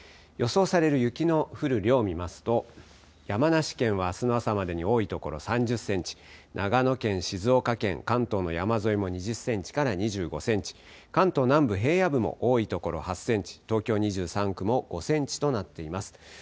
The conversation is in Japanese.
予想される雪の降る量を見ますと山梨県はあすの朝までに多い所３０センチ、長野県、静岡県、関東の山沿いも２０センチから２５センチ、関東南部平野部も多いところ８センチ、東京２３区も５センチとなっています。